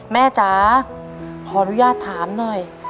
จ๋าขออนุญาตถามหน่อย